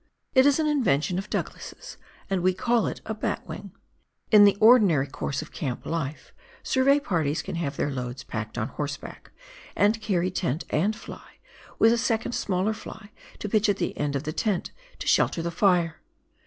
It is an invention of Douglas's, and we call it a " batwing." In the ordinary course of camp Kfe, survey parties can have their loads packed on horseback, and carry tent and fly, with a second smaller fly to pitch at the end of the tent to shelter the fire.